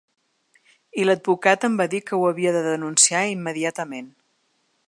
I l’advocat em va dir que ho havia de denunciar immediatament.